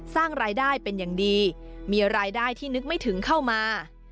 สร้างรายได้เป็นอย่างดีมีรายได้ที่นึกไม่ถึงเข้ามา